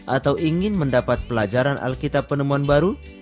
atau ingin mendapat pelajaran alkitab penemuan baru